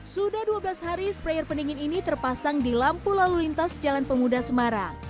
sudah dua belas hari sprayer pendingin ini terpasang di lampu lalu lintas jalan pemuda semarang